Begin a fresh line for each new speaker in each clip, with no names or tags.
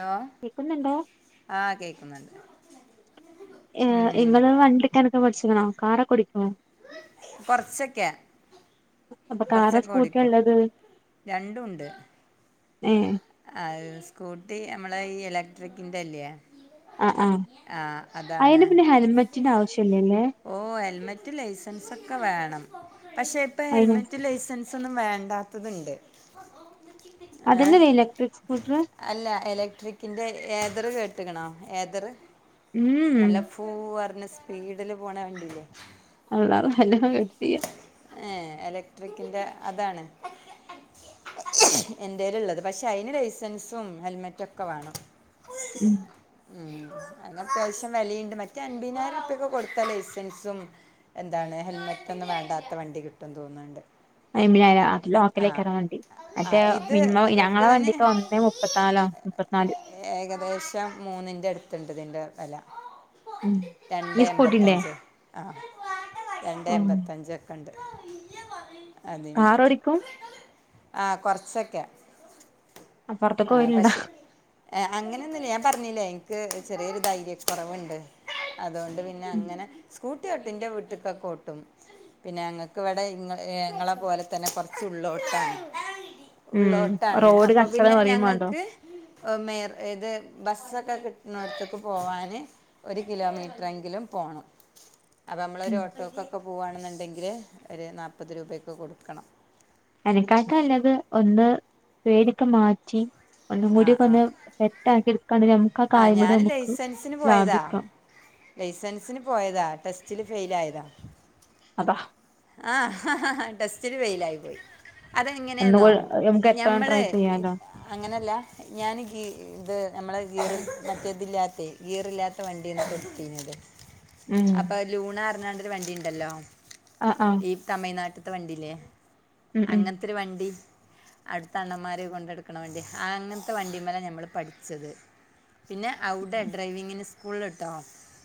Hello
കേക്കുന്ന്ണ്ടോ
ആഹ് കേക്ക്ന്ന്ണ്ട്
ഏഹ് ഇങ്ങള് വണ്ടിക്കാനൊക്കെ പഠിച്ച്ക്കണോ കാറൊക്കെ ഓടിക്കോ
കൊർച്ചെക്കെ
അപ്പ കാറാ സ്‌കൂട്ടിയാ ഇള്ളത് ഏഹ്
അഹ് സ്കൂട്ടി അമ്മളെ ഈ ഇലക്ട്രിക്കിന്റെല്ല്യേ
അഹ് ആഹ് അയ്ന് പിന്നെ ഹെൽമെറ്റിന്റെ ആവശ്യല്ല്യല്ലേ
ഓഹ് ഹെൽമറ്റും ലൈസൻസൊക്കെ വേണം. പക്ഷെ ഇപ്പ
അയിന്
ഹെൽമറ്റും ലൈസൻസ് സൊന്നും വേണ്ടാത്തത് ഇണ്ട് ഓഹ് ഓഹ് ഇമ്മച്ചി ഇപ്പച്ചി
അതനല്ലെ ഇലക്ട്രിക്സ് സ്കൂട്ടർ
അല്ല ഇലക്ട്രിക്കിന്റെ ഏതർ കേട്ടക്ക്ണോ ഏതറ്
ഉം. ഉം.
പൂ അർഞ്ഞ് സ്പീഡില് പോണ വണ്ടി ഇല്ലേ
അള്ളാറും [unintelligible] പ്പം കേട്ട്ട്ടിയ്യ
ഏഹ് എലക്ട്രിക്കിന്റെ അതാണ് എന്റല്ള്ളത് പക്ഷെ അയ്ന് ലൈസൻസും ഹെൽമെറ്റ് ഒക്കെ വേണം
ഉം
ഉം അതിന് അത്യാവശ്യം വെലീണ്ട് മറ്റേ അൻപതിനായിരം റുപ്പൊക്കെ കൊടുത്ത ലൈസൻസും എന്താണ് ഹെൽമെറ്റ് ഒന്നും വേണ്ടാത്ത വണ്ടി കിട്ടും ന്ന് തോന്ന്ണ്ട്
അൻപതിനായിരം അഹ് ലോക്കലയ്കാരം വണ്ടി
ആ
മറ്റേ
ഇത്
മിനിമം ഞങ്ങളെ
ഇതിന്
വണ്ടിക്ക് ഒന്നെ മുപ്പത്താലാ മുപ്പത്തിനാല്
ഏകദേശം മൂന്നിൻ്റെ അടുത്തുണ്ട് ഇതിൻ്റെ വില
ഉം ഈ
രണ്ടെ
സ്കൂട്ടിന്റെ
എമ്പത്തഞ്ച് ആ ഹ് രണ്ടെ
ആഹ്
എൺമ്പത്തഞ്ച കണ്ട്. അതിന്.
കാറോടിക്കും
ആഹ് കൊറച്ചൊക്കെ
അപ്പർത്ത്ക്ക്
ആഹ്
പോവല്ണ്ടോ
പക്ഷേ എഹ് അങ്ങനെന്നുല്ല പറഞ്ഞില്ലേ എനിക്ക് ചെറിയൊരു ധൈര്യക്കുറവുണ്ട് അതുകൊണ്ട് പിന്നെ അങ്ങനെ സ്കൂട്ടിയോട്ടും ഇന്റെ വീട്ടക്കൊക്കോട്ടും പിന്നെ ഞങ്ങക്കിവടെ ഇങ്ങളെ പോലത്തന്നെ കൊറച്ചുള്ളോട്ടാണ്
ഉം
ഉള്ളോട്ടാണ്
റോഡ് കച്ചറ
അപ്പപ്പിന്നെ
പറിയും മാണ്ടോ
ഞങ്ങക്ക് മേർ ഇത് ബസ്സൊക്കെ കിട്ട്‌ണോട്ത്ക്ക് പോവാന് ഒരു കിലോമീറ്ററെങ്കിലും പോണം
ഉം
അപമ്മളൊരു ഓട്ടോക്കൊക്കെ പോവാണെന്നുണ്ടെങ്കില് ഒരു നാപ്പത് രൂപൊക്കെ കൊടുക്കണം
അനിക്കാക്കല്ലത് ഒന്ന് പേടിക്കെ മാറ്റി ഒന്നും
ആ
കൂടിക്കാെന്ന് ട്ടാക്കി എടുക്കണ്ടിരും
ആഹ് ഞാന് ലൈസൻസിന് പോയതാ ലൈസൻസിന് പോയതാ ടെസ്റ്റില് ഫെയിലായതാ
അതാ
ആഹ് ടെസ്റ്റില് ഫെയിലായിപ്പോയി
ഒന്നുകൂ
അതെങ്ങനെന്നോ
നമുക്ക് എത്ര
ഞമ്മള്
ട്രൈ ചെയ്യാലോ
അങ്ങനെയല്ല ഞാൻ ഗീ ഇത് നമ്മളെ ഗീറ് മറ്റേതില്ലാത്തെ ഗീറില്ലാത്ത വണ്ട്യാണ് കൊടുത്തീഞത്
[inaudible]
അപ്പൊ ലൂണാർഞാണ്ടൊരു വണ്ടിണ്ടല്ലോ
ആഹ് ആഹ്
ഈ തമിഴ്നാട്ട്ത്തെ വണ്ടില്ലേ
ഉം ഉം
അങ്ങത്തൊരു വണ്ടി അടുത്തെ അണ്ണന്മാരെ കൊണ്ടെടുക്കണ വണ്ടി ആ അങ്ങൻത്തെ വണ്ടിമ്മലാ ഞമ്മള് പഠിച്ചത് പിന്നെ അവ്ടെ ഡ്രൈവിങ്ങിന് സ് കൂൾള്ട്ടോ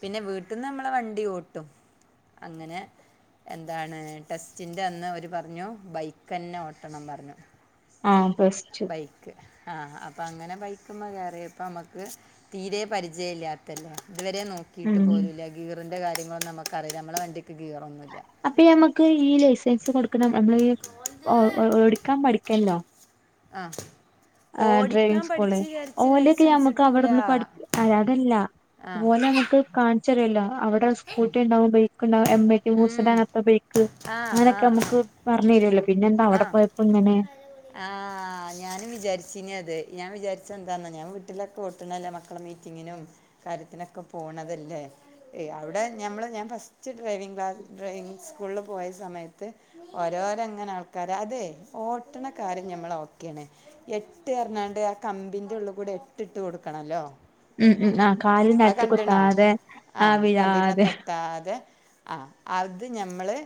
പിന്നെ വീട്ടിന്ന് നമ്മള് വണ്ടി ഓട്ടും അങ്ങനെ താണ് ടെസ്റ്റിൻ്റെ അന്ന് അവര് പറഞ്ഞു ബൈക്കെന്നെ ഓട്ടണം പറിഞ്ഞു
ആഹ് ബെസ്റ്റ്
ക്ക്‌ ആഹ് അപ്പൊങ്ങനെ ബൈക്മ്മേ കേയറിയപ്പം അമ്മക്ക് തീരെ പരിചയല്ലാത്തല്ലെ ഇതുവരെ നോ
ഉം
ക്കീട്ടുപോലൂല്ല ഗീറിൻ്റെ കാര്യങ്ങളൊന്നും നമുക്കറിയിലാ നമ്മള വണ്ടിക്ക് ഗീറൊന്നുല്യാ
അപ്പൊ ഈ അമ്മക്ക് ഈ ലൈസൻസ് കൊടുക്കണം അമ്മളീ ഓടിക്കാൻ പഠിക്കല്ലോ
ആഹ്
ആഹ് ഡ്രൈവിങ് സ്കൂള് ഓലെയൊക്കെ
ലൈസൻസ്
ഞമ്മക്ക്
കിട്ടൂല
അവിടെന്ന് പഠിപ്പി ഏയ് അതല്ല
ആ
ഓലെമുക്ക് കാൺച്ചെരുല്ലോ അവ ടെ സ്കൂട്ടി ഇണ്ടാവും ബൈക്ക് ഇണ്ടാവും എം ഐ ടി മൂസെ
ഉം.
ന്റെ അങ്ങനത്തെ ബൈക്ക്
ആ ആ ആ
അങ്ങനൊക്കെ അമുക്ക് പറഞ്ഞരോല്ലോ പിന്നെ എന്താ അവിടെ പോയപ്പോ ഇങ്ങനെ
ആഹ് ഞാനും വിചാരിച്ചിഞത് ഞാൻ വിചാരിച്ച എന്താന്നാ ഞാൻ വീട്ടിലൊക്കെ ഓട്ട്ണേല്ലേ മക്കളെ മീ റ്റിങ്ങിനും കാര്യത്തിനൊക്കെ പോണതല്ലേ ഏയ് അവിടെ ഞമ്മള് ഞാൻ ഫസ്റ്റ് ഡ്രൈവിംഗ് ക്ലാസ് ഡ്രൈവിംഗ് സ്കൂളില് പോയ സമയത്ത് ഓരോരങ്ങനെ ആൾക്കാര അതെ ഓട്ടണ കാര്യം ഞമ്മള് ഓക്കെയാണ് എട്ട് എറഞ്ഞാണ്ട് ആ കമ്പിന്റെ ഉള്ളുകൂടെ എട്ടിട്ട് കൊടുക്കണല്ലോ
ഉം ഉം ആ കാലനെൽത്ത് കുത്താതെ ആ വിഴാതെ
താതെ ആ അത് ഞമ്മള്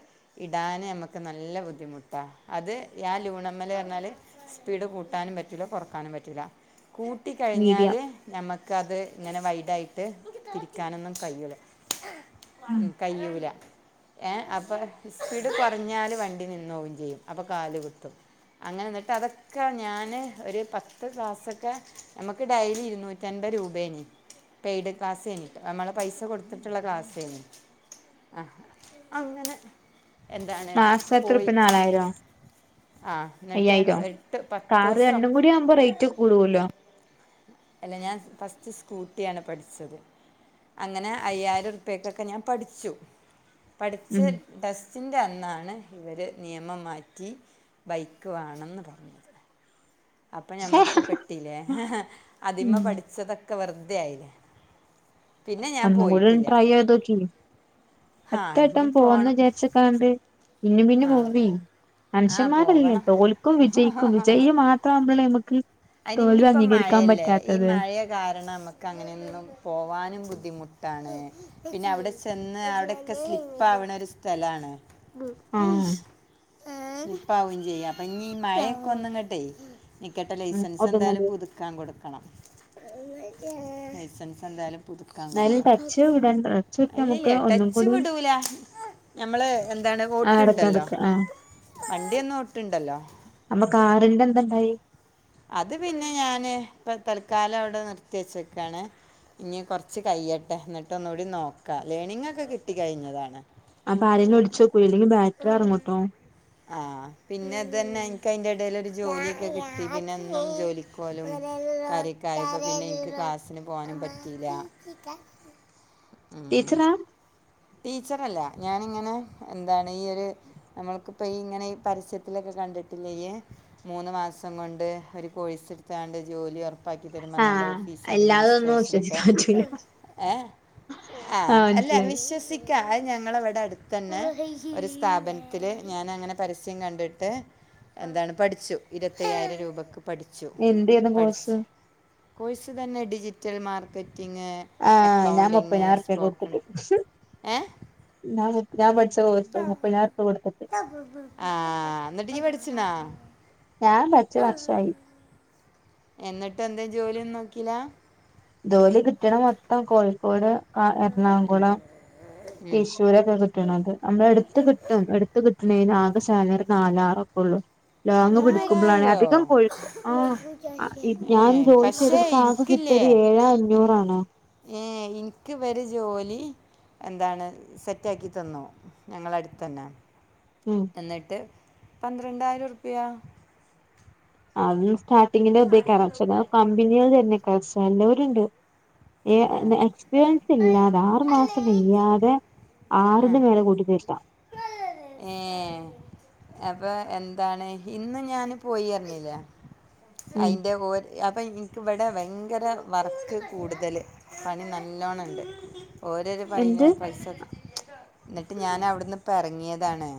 ഇടാന് ഞമ്മക്ക് നല്ല ബുദ്ധിമുട്ടാ അത് ആ ലൂണമ്മല് പറഞ്ഞാല് സ്പീഡ് കൂട്ടാനും പറ്റൂല്ല കൊറക്കാനും പറ്റൂല്ല
മീഡിയം
കൂട്ടിക്കഴിഞ്ഞാല് ഞമ്മക്കത് ഇങ്ങനെ വൈഡായിട്ട് പിടിക്കാനൊന്നും കയ്യൂല ഉം കയ്യൂല ഏഹ് അപ്പൊ സ്പീഡ് കൊറഞ്ഞാല് വണ്ടി നിന്നോവും ചെയ്യും അപ്പൊ കാല് കുത്തും അങ്ങനെ എന്നിട്ടതൊ ക്കെ ഞാന് ഒരു പത്ത് ക്ലാസ്സൊക്കെ നമുക്ക് ഡെയലി ഇരുന്നൂറ്റൻപത് രൂപേനീ പെയ്ഡ് ക്ലാസെഴിഞ്ഞിട്ട് അമ്മള് പൈസ കൊടുത്തിട്ടുള്ള ക്ലാസേനീ ആ അങ്ങനെ എന്താണ് പോയി
ആയിരോ
ആ എന്നിട്ട് എട്ട് പത്ത്
കാറ്
ദിവസം
രണ്ടും ആവുമ്പോ റേറ്റ് കൂടുൂലോ
അല്ല ഞാൻ ഫസ്റ്റ് സ്കൂട്ടിയാണ് പഠിച്ചത് അങ്ങനെ അയ്യായിരം റുപ്യക്കൊക്കെ ഞാൻ പഠിച്ചു പഠിച്ച്
ഉം
ടെസ്റ്റിൻ്റെ അന്നാണ് ഇവര് നിയമം മാറ്റി ബൈക്ക് വേണംന്ന് പറഞ്ഞത് അപ്പൊ ഞമ്മക്ക് പെട്ടിലേ അതിമെ
ഉം
പഠിച്ചതൊക്കെ വെറുതെ ആയില്ലേ പിന്നെ ഞാൻ
ഒന്നും കൂടി ഒന്ന്
പോയിട്ടില്ല
ട്രൈ ചെയ്ത് നോക്കി
ആ
എത്ര
ഇനി
വട്ടം പോവന്ന്
പോകണം
വിചാരിച്ച് ക്കാണ്ട് പിന്നും പിന്നും
ആ
പോവി
ആ
മനുഷ്യന്മാരല്ലേ
പോകണം
തോൽക്കും വിജയിക്കും വിജയിയെ മാത്രആവുമ്പലല്ലേ നമ്മുക്ക്
അയ്നിനിയിപ്പ മഴയല്ലേ ഈ മഴയൊ കാരണം നമുക്ക് അങ്ങനെയൊന്നും പോവാനും ബുദ്ധിമുട്ടാണ് പിന്നെ അവിടെ ചെന്ന് അവിടെക്കെ സ്ലിപ്പാവണ ഒരു സ്ഥലാണ്
ആഹ്
സ്ലിപ്പാവയും ചെയ്യാം അപ്പൊ ഇനി മഴയൊക്കെ ഒന്നുങ്ങട്ടെ നിക്കട്ടല്ലേ
ഉം
ലൈസൻസ് എന്തായാലും
ഒതുങ്ങത്
പുതു ക്കാൻ കൊടുക്കണം ലൈസൻസ് എന്തായാലും പുതുക്കാൻ
എന്നാലും
കൊടുക്കണം
ടച്ച് വിടണ്ട ടച്ച് വിട്ട നമുക്ക്
ഇല്ലില്ല്യ
ഒന്നും
ടച്ച്
കൂടി
വിടൂല ഞമ്മള് എന്താണ്
ആഹ് എടക്ക്
ഓട്ട്ണ്ടല്ലോ
എടക്ക് ആഹ്
വണ്ടിയൊന്നും ഓട്ട്ണ്ടല്ലോ
അമ്മ കാറിന്റെ എന്ത്‌ണ്ടായി
അത് പിന്നെ ഞാന് ഇപ്പ തൽക്കാലം അവിടെ നിർത്തി വെച്ചെക്കാണ് ഇനി കുറച്ച് കയ്യട്ടെ എന്നിട്ട് ഒന്നുകൂടി നോക്കാം ലേണിങ്ങൊക്കെ കിട്ടി കഴിഞ്ഞതാണ്
അപ്പൊ ആരെന്നു ഒളിച്ചോക്കൂ അല്ലെങ്കിൽ ബാറ്ററി എറങ്ങോട്ടോ
ആഹ് പിന്നെ അത് തന്നെ എനിക്ക് അതിന്റെ എടേലൊരു ജോലിയൊക്കെ കിട്ടി പിന്നെന്നും ജോലി പോവലും കാര്യോക്കായപ്പോ പിന്നെ എനിക്ക് ക്ലാസ്സിന് പോകാനും പറ്റിയില്ല ഉം.
ടീച്ചറാ
ടീച്ചറല്ല ഞാനിങ്ങനെ എന്താണ് ഈയൊരു നമ്മൾക്കിപ്പ ഈ ഇങ്ങനെ ഈ പരസ്യത്തിലൊക്കെ കണ്ടിട്ടില്ലേ ഈയ് മൂന്ന് മാസം കൊണ്ട് ഒരു കോഴസെടുത്താണ്ട് ജോലി ഒറ പ്പാക്കി തരും പറഞ്ഞാണ്ട്
ആഹ്
ഓഫീസ്
എല്ലാതൊന്നും
അഡ്മിനിസ്ട്രേഷനൊക്കെ
വിശ്വസിക്കാൻ പറ്റൂല
ഏഹ് ആഹ് അല്ല വിശ്വസ് നിക്ക. അഹ് ഞങ്ങളവിടട്ത്ത തന്നെ ഒരു സ്ഥാപനത്തില് ഞാനങ്ങനെ പരസ്യം കണ്ടിട്ട് എന്താണ് പഠിച്ചു. ഇരുവത്തയ്യായിരം രൂപക്ക് പഠിച്ചു
എന്തേന്നു കോഴ്സ്
കോയ്സ്തന്നെ ഡിജിറ്റൽ മാർക്കറ്റിംഗ്
ആഹ് ഞാൻ
അക്കൗണ്ടിങ് സ്പോക്കൺ- ഏഹ്
ഞാന് ഞാൻ പഠ്ച്ച കോഴ്സ്. മുപ്പയ്നായിരുർപ്യ കൊട്ത്ത്‌ട്ട്
കമ്പ്യൂട്ടർ ആഹ് ന്നട്ട് ഇയ്യ്‌ പഠ്ച്ച്ന്നാ
ഞാൻ കൊർച്ച് വർഷായി
എന്നിട്ടെന്തേ ജോലിയൊന്നും നോക്കീലാ
ജോലി കിട്ടണ മൊത്തം കോഴിക്കോട് ആ എർണാംകുളം
ഉം.
തൃശ്ശൂരൊക്കെ കി - ട്ട്ണത്. നമ്മളെ എടുത്ത് കിട്ടും. എട്ത്ത്‌ കിട്ട്ണേന് ആകെ സാലറി നാലാറൊക്കൊള്ളൂ ലോങ്ങ് പിടിക്കുമ്പളാണ്
നാലായിരോ
അധികം കൊഴിക്കു ആഹ് ആ ഇ
ഏ
ഞാൻ ജോലി
പക്ഷേ
ചെയ്തപ്പൊ ആകെ കിട്ടിയത് ഏഴേ അഞ്ഞൂറാണ്
ഏഹ് ഇന്ക്ക് വര് ജോലി എന്താണ് സെറ്റാക്കി തന്നു. ഞങ്ങളട്ത്തന്നെ
ഉം
എന്നിട്ട് പന്ത്രണ്ടായിരുർപ്പ്യ
അതും സ്റ്റാർട്ടിങ്ങിന്റെ തേക്കാരം. ചെല കമ്പനികള് തെര്ന്നേക്കാരം. ചെലവര്ണ്ട് ഏ എക്സ്പീരിയൻസ് ല്ലാതെ ആറു മാസം കയ്യാതെ ആറ്ന്റെ മേലെ കൂട്ടി തര്ല്ല
ഏഹ് അപ്പൊ എന്താണ് ഇന്ന് ഞാന് പോയ്യർഞീലേ
ഉം
അയ്ന്റെ അപ്പം ഇൻക്ക് വടെ ഭയങ്കര വർക്ക് കൂടുതല് പണി നല്ലോണണ്ട് ഓരൊരു പഴഞ്ഞ
എന്ത്
പൈസ ന്നട്ട് ഞാനവിടുന്ന്പ്പർങ്ങിയതാണ്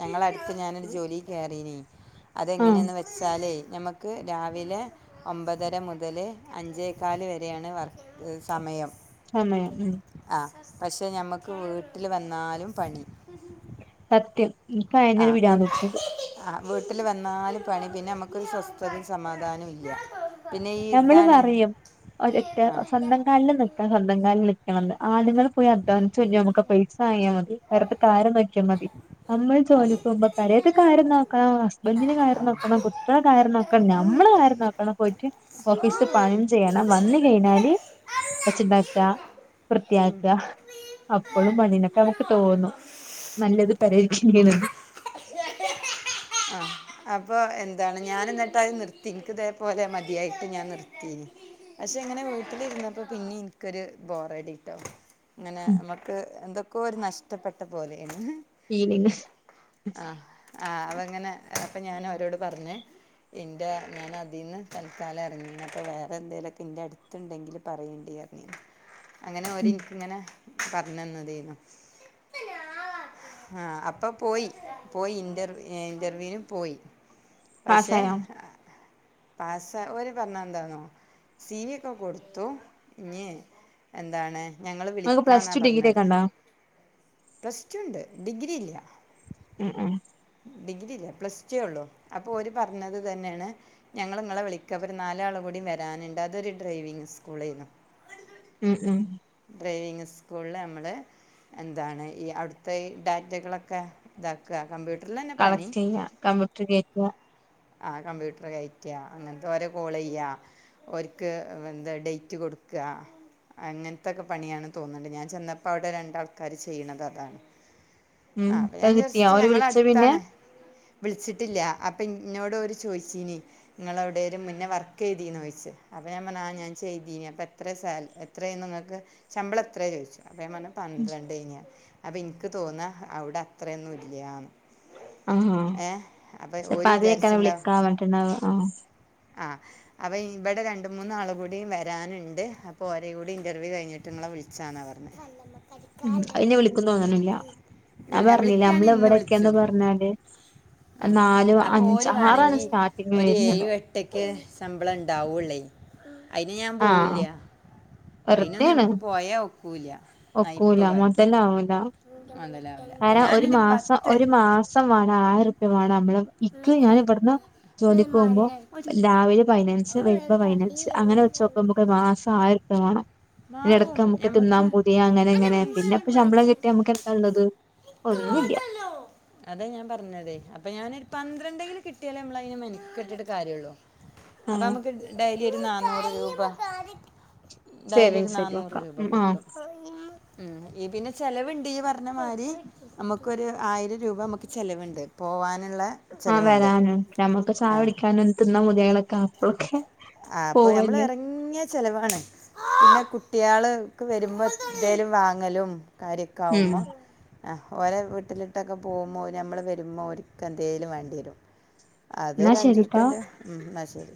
ഞങ്ങളട്ത്ത് ഞാനൊരു ജോലി കേറീനീ
ആഹ്
അതെങ്ങനേന്ന് വെച്ചാലേയ് ഞമ്മക് ക്ക് രാവിലെ ഒമ്പതര മുതല് അഞ്ചേക്കാല് വരെയാണ് വർ സമയം
സമയം ഉം
ആ പക്ഷെ ഞമ്മക്ക് വീട്ടില് വന്നാലും പണി
സത്യം ഇൻക്ക് അയെന്നെ ഒരു
ആഹ്
പിരാന്ത്
വിട്
പുടിച്ചും
ആ വീട്ടില് വന്നാലും പണി പിന്നെമ്മക്കൊരു സ്വസ്ഥത്യും സമാധാനും ഇല്ല പിന്നെ ഈ
നമ്മള്
ഇതാണ്
പറയും, ഒറ്റ
ഇല്ല ഇല്ല
സ്വന്തം കാൽല് നിക്കാ സ്വന്തം കാലിൽ നിക്- ക്കണം ന്ന്. ആണ്ങ്ങൾ പോയി അദ്വാനി ച്ച് കൊണ്ട്ര, നമുക്കാ പൈസ വാങ്ങിയാ മതി. പെരേതെ കാര്യം നോക്യാ മതി നമ്മള്
അതെ
ജോലിക്കുമ്പോ പെരേത്തെ കാര്യം നോക്കണം. ഹസ്ബൻഡിന്റെ
ആ.
കാര്യം നോക്കണം. കുട്ടികളെ കാര്യം നോക്കണം, നമ്മളെ കാര്യം നോക്കണം, പൊ - ഓഫീസ്ത്തെ പണിം ചെയ്യണം. വന്ന് കഴിഞ്ഞാല് വച്ച്ണ്ടാക്ക
ഉം.
വൃത്തിയാക്ക അപ്പളും പണ്യന്നെ പ്പമ്മക്ക് തോന്നും. നല്ലത് പെരേഇര്ക്കന്നേണ്ന്ന്
[inaudible] ആഹ് അപ്പൊ എന്താണ് ഞാന് ന്നട്ടത് നിർത്തി, ഇൻക്ക്തേപോലെ മതിയായിട്ട് ഞാൻ നിർത്തീനി പക്ഷെ ഇങ്ങനെ വീട്ടിലിര്ന്നപ്പോ പിന്നിം ഇൻക്കൊരു ബോറടിട്ടോ ങ്ങനെ അമ്മക്ക് എന്തൊക്കോ ഒരു നഷ്ടപ്പെട്ട പോലേണ്
[unintelligible]
ആഹ് അതങ്ങനെ അപ്പഞാനോരോട് പർഞ്ഞ് എന്റാ ഞാൻ അതീന്ന് തൽക്കാലംഎറങ്ങീണ് അപ്പ വേറെ എന്തേലൊക്കെ ന്റെ അടു- ത്തുണ്ടെങ്കിൽ പറയേണ്ടീപറഞ്ഞ് അങ്ങനെ ഓര്
ഉം
എനിക്കിങ്ങനെ പറഞ്ഞന്നതേനു ആഹ് അപ്പൊ പോയി പോയി ഇന്റർ ഇന്റർവ്യൂനും- പോയി പക്ഷെ
പാസ്സായോ
പാസാ ഓര് പറഞ്ഞ എന്താന്നൊ സിവിക്കെ കൊടുത്തു ഇന്യേ എന്താണ് ഞങ്ങള്
നിങ്ങൾക്ക് പ്ലസ്
വിളിക്കാന്നാ
ടു ഡിഗ്രി
പറഞ്ഞത്
ഒക്കെ ഉണ്ടോ
പ്ലെസ്റ്റടു ണ്ട് ഡിഗ്രി ഇല്ല
ഉം ഉം
ഡിഗ്രില്ല പ്ലസ്ടുവേള്ളൂ അപ്പൊ ഓര് പറഞ്ഞത് തന്നേണ് ഞങ്ങള് ഇങ്ങളെ വിളിക്കാ ഒരു നാലാള് കൂടി വരാന്ണ്ട് അതൊരു ഡ്രൈവിങ് സ്കൂളയിനു
ഉം ഉം
ഡ്രൈവിങ് സ്കൂളില് അമ്മള് എന്താണ് ഈ അവിടുത്തെഈ ഡാറ്റകളൊക്കെ- ഇതാക്ക കമ്പ്യൂട്ടറിലന്നെ പണി
കംമ്പ്യൂട്ടറി കേറ്റാ
ആഹ് കമ്പ്യൂട്ടറി കേറ്റാ അങ്ങനത്തെ ഓരേ കോളെയ്യാ ഓരിക്ക് എന്താ ഡേറ്റ് കൊടുക്കാ അങ്ങനത്തെക്കെ പണിയാണ് തോന്നുണ്ട് ഞാൻ ചെന്നപ്പവിടെ രണ്ടാൾക്കാര് ചെയ്യണത് അതാണ്
ഉം
ആഹ് അപ്പൊ
ത്
ഞാൻ
കിട്ടിയോ
ജസ്റ്റ്
ഓര്
ഞങ്ങള
വിളിച്ച പിന്നെ
ടുത്താണ് വിളിച്ചിട്ടില്ല അപ്പൊ- ഇന്നോട് അവര് ചോയിച്ചീനി നിങ്ങളെവിടേലും മുന്നെ വർക്കെ യ്തീന്ന്ചോയിച്ച് അപ്പൊ ഞാൻ പറഞ്ഞ് ആഹ് ഞാൻ ചെയ്തീനി അപ്പൊ എത്ര സാ - എത്രയാ നിങ്ങക്ക് ശമ്പളം എത്രയാ ചോയിച്ചു അപ്പൊ ഞാൻ പറഞ്ഞു പന്ത്രണ്ട്ന്ന് അപ്പം എനിക്ക് തോന്നാ അവിടെ അത്രയൊന്നും ഇല്ല്യാന്ന് ഏഹ് അപ്പൊ ഓരു
എ
വിചാരി -
[unintelligible] വിളിക്കാമ്പറ്റണ്ടാവ ആഹ്
ആഹ് അപ്പൊ ഇവിടെ രണ്ട് മൂന്നാള് കൂടിം വരാനുണ്ട് അപ്പൊ ഓരെ കൂടി ഇന്റർവ്യൂ കഴിഞ്ഞി- ട്ട് ങ്ങളെ വിളിച്ചാന്നാപറഞ്ഞെ
ഉം അയിനി വിളിക്കോന്ന് തോന്ന്നില്ല ഞാൻ
വിളി
പറഞ്ഞില്ലെ
വിളിക്കാണെ
നമ്മള്
ഇന്ന്
ഇവിടേക്കേന്ന്
വിളിച്ചും
പറഞ്ഞാല് അത് നാലു
അപ്പൊ
അഞ്ച് ആറാണ് സ്റ്റാർട്ടിങ്ങ് വരുന്നത്
എട്ടക്കേ ശമ്പളം ഇണ്ടാവൂള്ളെ അയിന് ഞാൻ
ആഹ്
പോവൂല്യ അയിനൊന്നും
വെറുതെയാണ്
നമുക്ക് പോയാ ഒക്കൂല നയ്പ്പ് ബാക്കി
പാവം ടാ
അല്ലലാവൂല ഞാനെന്റെ പത്ത്-
ഒരു മാസം വേണം ആയിറുപ്യ വേണം അമ്മള് ഇക്ക് ഞാൻ ഇവിടുന്ന്
ഒരു
ജോലിക്ക് പോവുമ്പൊ- രാവിലെ പയിനഞ്ച് വരുമ്പൊ പയി നഞ്ച് അങ്ങനെ വെച്ച് നോക്കുമ്പോക്കെ മാസം ആയിറുപ്യ വേണം പിന്നെ എടക്ക് നമുക്ക് തിന്നാൻ പൂതിയ അങ്ങനെ
അന്റെ
ഇങ്ങനെ പിന്നെ
മൂന്നങ്ങോട്ട്
ഇപ്പ ശമ്പളം കിട്ടിയാ
വാങ്ങിച്ചു
അമുക്കെന്താള്ളത് ഒന്നൂല്യ
അതെ ഞാൻ പറഞ്ഞത് അപ്പൊ ഞാനെ - പന്ത്രണ്ടെങ്കിലും കിട്ടിയാലെ അ മ്മളയിന് മെനക്കെട്ടിട്ട് കാര്യള്ളൂ അപ്പൊ
ആഹ്
അമ്മക്കിത് - ഡൈലി ഒരു നാന്നൂറ് രൂപ ഡൈലി ഒരു
സേവിങ്സ് ആയിട്ട്
നാന്നൂറ്
വെക്കാം
രൂപ
ആഹ്
കിട്ടും ഉം ഈ പിന്ന ചെലവുണ്ടീ പറഞ്ഞ മാരി നമ്മക്കൊരു ആയിരം രൂപ നമ്മ ക്ക് ചെലവുണ്ട് പോവാനുള്ളെ
ആഹ് വരാനും നമ്മുക്ക് ചായു ടിക്കാനും തിന്നകൊതിയാവണക്കാ
ആഹ് അപ്പൊ നമ്മള് എറങ്ങിയ- ചെലവാണ് പിന്നെ കുട്ടിയള്ക്ക് വരുമ്പൊ ന്തേലും വാങ്ങലും കാര്യം ഒെക്ക
ഉം
ആവുമ്പം ആഹ് ഓലെ വീട്ടിലോട്ടൊക്കെ പോകുമ്പോ നമ്മള് വരുമ്പോ ഓരിക്ക് എന്തേലും വേണ്ടി വരും അത്
എന്നാ
ഒരു അഞ്ചു
ശരിട്ടോ
ഉറുപിയേന്റെ ഉം എന്ന ശരി